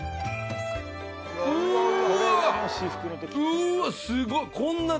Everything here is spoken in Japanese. うわすごい。